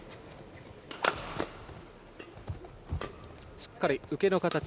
しっかり受けの形。